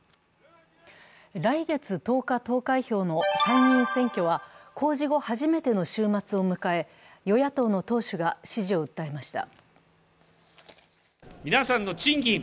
来月１０日投開票の参議院選挙は、公示後初めての週末を迎え与野党の党首が支持を訴えました。